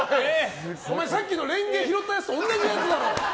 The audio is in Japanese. お前、さっきのレンゲ拾ったやつと同じやつだろ！